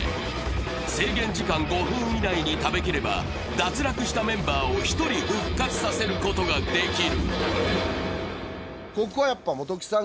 制限時間５分以内に食べきれば、脱落したメンバーを１人復活させることができる。